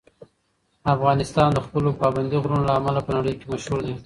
افغانستان د خپلو پابندي غرونو له امله په نړۍ کې مشهور دی.